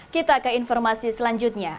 kita ke informasi selanjutnya